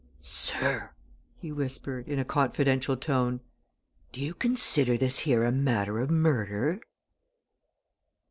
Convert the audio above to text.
"Sir!" he whispered in a confidential tone. "Do you consider this here a matter of murder?"